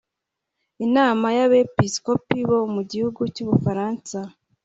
Inama y’Abepisikopi bo mu gihugu cy’u Bufaransa